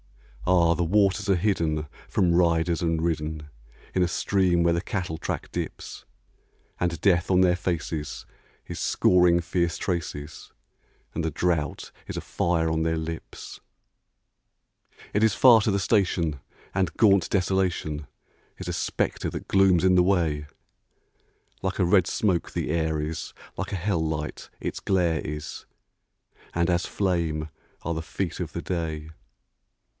Ah! the waters are hidden from riders and ridden In a stream where the cattle track dips; And Death on their faces is scoring fierce traces, And the drouth is a fire on their lips. It is far to the station, and gaunt Desolation Is a spectre that glooms in the way; Like a red smoke the air is, like a hell light its glare is, And as flame are the feet of the day.